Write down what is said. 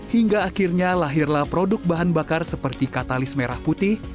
hingga akhirnya lahirlah produk bahan bakar seperti katalis merah putih